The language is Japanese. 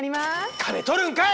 金取るんかい！